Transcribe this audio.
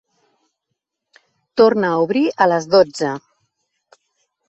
Torna a obrir a les dotze.